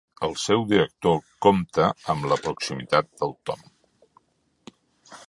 El seu director compta amb la proximitat del Tom.